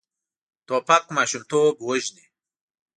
توپک ماشومتوب وژني.